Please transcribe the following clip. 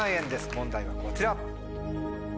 問題はこちら。